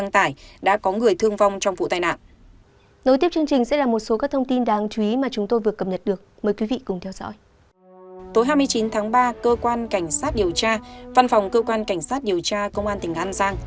tối hai mươi chín tháng ba cơ quan cảnh sát điều tra văn phòng cơ quan cảnh sát điều tra công an tỉnh an giang